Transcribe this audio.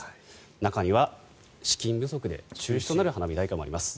中には資金不足で中止となる花火大会もあります。